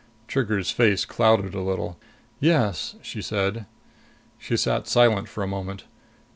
Trigger's face clouded a little. "Yes," she said. She sat silent for a moment.